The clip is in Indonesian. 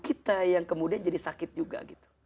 kita yang kemudian jadi sakit juga gitu